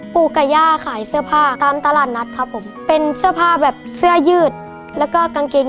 พ่อกับย่าขายเมือง